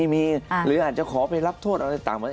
มีหรืออาจจะขอไปรับโทษอะไรต่าง